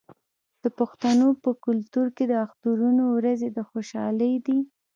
د پښتنو په کلتور کې د اخترونو ورځې د خوشحالۍ دي.